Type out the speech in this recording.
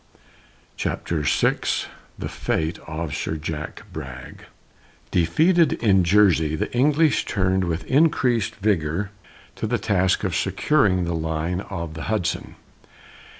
CHAPTER VI "THE FATE OF SIR JACK BRAG" Defeated in Jersey, the English turned with increased vigor to the task of securing the line of the Hudson.